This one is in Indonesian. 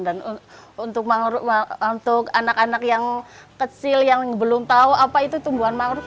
dan untuk anak anak yang kecil yang belum tau apa itu tumbuhan mangrove